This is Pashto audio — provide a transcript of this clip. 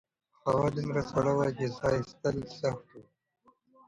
هوا دومره سړه وه چې سا ایستل سخت وو.